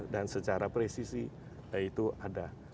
dan secara presisi yaitu ada